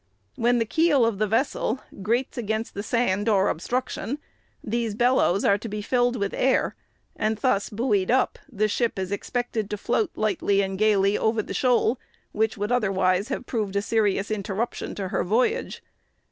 When the keel of the vessel grates against the sand or obstruction, these bellows are to be filled with air; and, thus buoyed up, the ship is expected to float lightly and gayly over the shoal, which would otherwise have proved a serious interruption to her voyage.